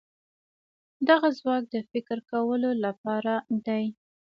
دغه ځواک د فکر کولو لپاره دی.